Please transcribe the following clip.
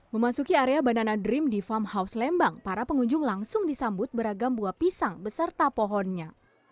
memasuki area bandana dream di farm house lembang para pengunjung langsung disambut beragam buah pisang beserta pohonnya